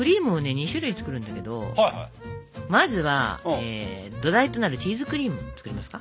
２種類作るんだけどまずは土台となるチーズクリームを作りますか。